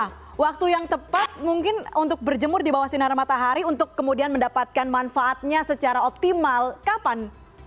nah waktu yang tepat mungkin untuk berjemur di bawah sinar matahari untuk kemudian mendapatkan manfaatnya secara optimal kapan